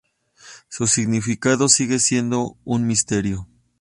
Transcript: Su significado sigue siendo un misterio.